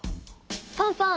ファンファン！